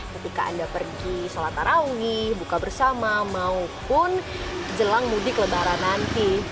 ketika anda pergi sholat tarawih buka bersama maupun jelang mudik lebaran nanti